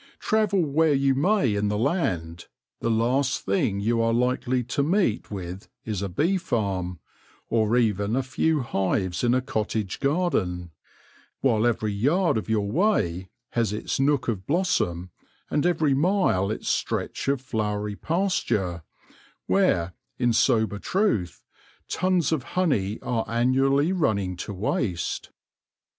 Travel where you may in the land, the last thing you are likely to meet with is a bee farm, or even a few hives in a cottage garden ; while every 3^ard of your way has its nook of blossom, and every mile its stretch of flowery pasture, where, in sober truth, tons of honey are annually running to waste.